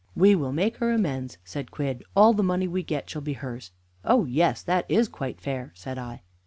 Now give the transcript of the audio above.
"We will make her amends," said Quidd, "all the money we get shall be hers." "Oh yes; that is quite fair," said I.